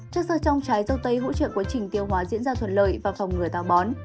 trước sớt trong trái dâu tây hỗ trợ quá trình tiêu hóa diễn ra thuận lợi và phòng ngừa tào bón